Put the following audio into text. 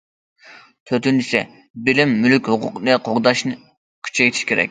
تۆتىنچىسى، بىلىم مۈلۈك ھوقۇقىنى قوغداشنى كۈچەيتىش كېرەك.